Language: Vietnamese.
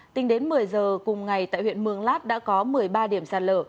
tính đến một mươi giờ cùng ngày tại huyện mường lát đã có một mươi ba điểm sạt lở